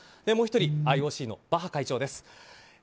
もう１人ＩＯＣのバッハ会長です。